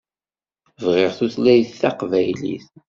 Bɣiɣ tutayt taqbaylit.